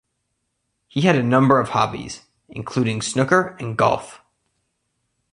He had a number of hobbies, including snooker and golf.